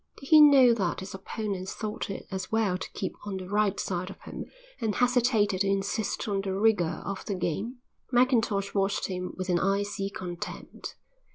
Did he know that his opponents thought it as well to keep on the right side of him and hesitated to insist on the rigour of the game? Mackintosh watched him with an icy contempt.